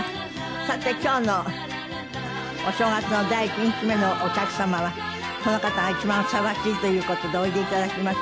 さて今日のお正月の第１日目のお客様はこの方が一番ふさわしいという事でおいで頂きました。